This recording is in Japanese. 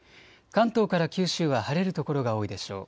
関東から九州は晴れる所が多いでしょう。